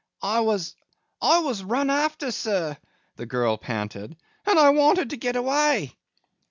'I was—I was run after, sir,' the girl panted, 'and I wanted to get away.